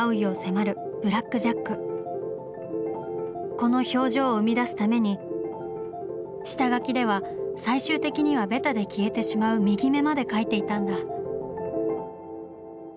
この表情を生み出すために下描きでは最終的にはベタで消えてしまう右目まで描いていたんだ。